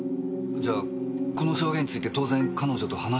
じゃこの証言について当然彼女と話してますよね？